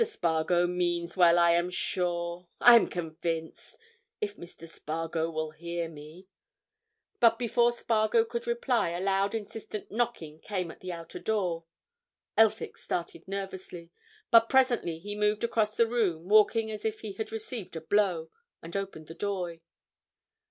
Spargo means well, I am sure—I am convinced. If Mr. Spargo will hear me——" But before Spargo could reply, a loud insistent knocking came at the outer door. Elphick started nervously, but presently he moved across the room, walking as if he had received a blow, and opened the door.